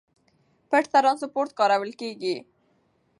پټ ترانسپورت کارول کېږي.